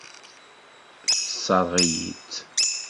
Tessṛeɣ-iyi-tt.